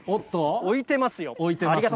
置いてますよ。